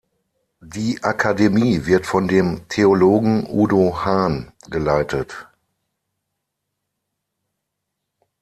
Die Akademie wird von dem Theologen Udo Hahn geleitet.